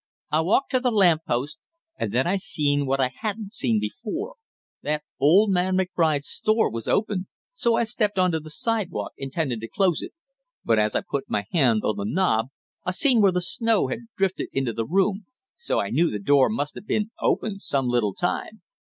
I walked to the lamp post, and then I seen what I hadn't seen before, that old man McBride's store door was open, so I stepped on to the sidewalk intending to close it, but as I put my hand on the knob I seen where the snow had drifted into the room, so I knew the door must have been open some little time.